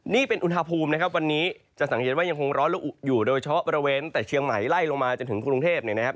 นี่เป็นอุณหภูมินะครับวันนี้จะสังเกตว่ายังคงร้อนละอุอยู่โดยเฉพาะบริเวณแต่เชียงใหม่ไล่ลงมาจนถึงกรุงเทพเนี่ยนะครับ